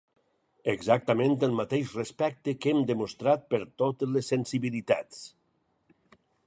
Exactament el mateix respecte que hem demostrat per totes les sensibilitats.